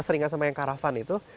seringan sama yang karavan itu